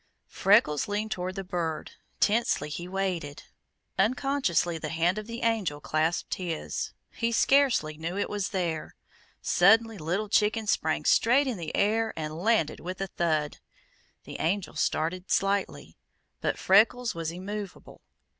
Freckles leaned toward the bird. Tensely he waited. Unconsciously the hand of the Angel clasped his. He scarcely knew it was there. Suddenly Little Chicken sprang straight in the air and landed with a thud. The Angel started slightly, but Freckles was immovable.